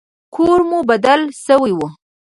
کور مو بدل سوى و.